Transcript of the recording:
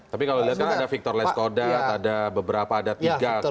tapi kalau dilihat kan ada victor leskoda ada beberapa ada tiga